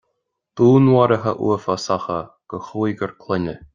Dúnmharuithe uafásacha de chúigear clainne